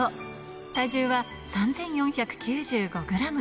体重は３４９５グラム。